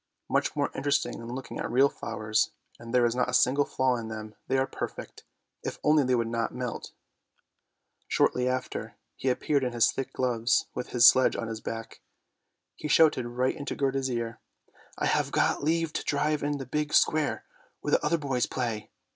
" Much more interesting than looking at real flowers, and there is not a single flaw in them, they are perfect, if only they would not melt." Shortly after, he appeared in his thick gloves, with his sledge on his back. He shouted right into Gerda's ear, " I have got leave to drive in the big square where the other boys play!